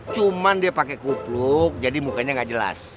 cuman dia pakai kupluk jadi mukanya nggak jelas